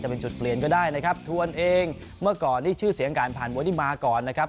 เป็นจุดเปลี่ยนก็ได้นะครับทวนเองเมื่อก่อนนี่ชื่อเสียงการผ่านมวยที่มาก่อนนะครับ